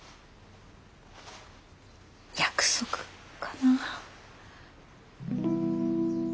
約束かな。